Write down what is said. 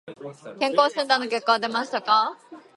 健康診断の結果は出ましたか。